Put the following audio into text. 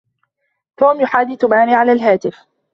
توم يحادث ماري على الهاتف.